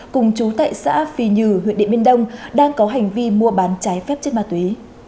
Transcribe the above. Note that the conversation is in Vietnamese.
cùng chú tại xã phi nhừ huyện điện biên đông đang có hành vi mua bán trái phép chất ma túy